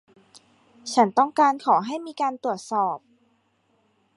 ฉันต้องการขอให้มีการตรวจสอบ